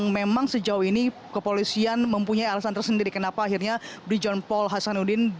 memang sejauh ini kepolisian mempunyai alasan tersendiri kenapa akhirnya brigjen paul hasanuddin